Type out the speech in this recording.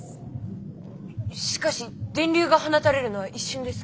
しかし電流が放たれるのは一瞬です。